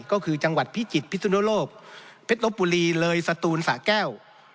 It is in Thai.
ก็คือจังหวัดพิจิตรพิสุนโลกเพชรลบบุรีเลยสตูนสะแก้ว